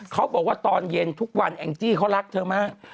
เขาบอกว่าตอนเย็นทุกวันแองจี้เขารักเธอมาก